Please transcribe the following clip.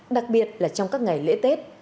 đặc biệt là trong các ngày lễ tết